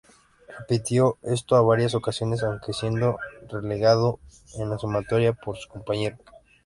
Repitió esto en varias ocasiones, aunque siendo relegado en la sumatoria por su compañero.